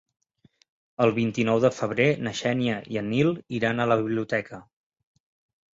El vint-i-nou de febrer na Xènia i en Nil iran a la biblioteca.